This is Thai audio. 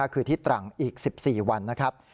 คือที่ตรังอีก๑๔วันนะครับ